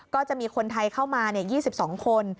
ก็จะมีคนไทยเข้ามา๒๒คน